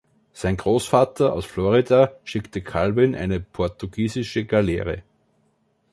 Sein Großvater aus Florida schickt Calvin eine Portugiesische Galeere.